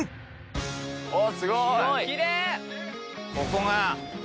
ここが。